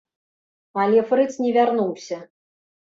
Але фрыц не вярнуўся.